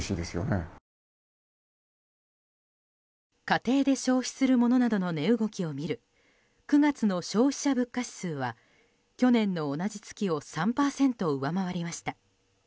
家庭で消費する物などの値動きを見る９月の消費者物価指数は去年の同じ月を３％上回りました。